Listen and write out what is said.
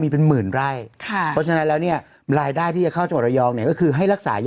มันตกน้ำแข็งตายจริงได้ดูป่ะ